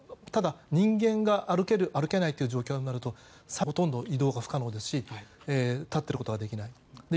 ただ、人間が歩ける歩けないという状況になると３０ｃｍになるとほとんど移動が不可能ですし立っていることができない。